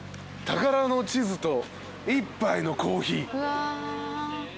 「宝の地図と一杯のコーヒー」うわ。